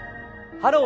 「ハロー！